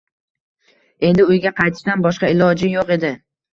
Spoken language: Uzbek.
Endi uyga qaytishdan boshqa iloji yo‘q edi